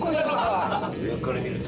上から見ると。